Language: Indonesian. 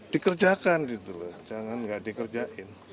dikerjakan gitu loh jangan nggak dikerjain